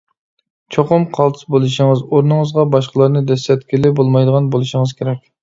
چوقۇم قالتىس بولۇشىڭىز، ئورنىڭىزغا باشقىلارنى دەسسەتكىلى بولمايدىغان بولۇشىڭىز كېرەك.